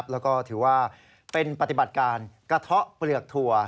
แล้วก็ถือว่าเป็นปฏิบัติการกระเทาะเปลือกถั่ว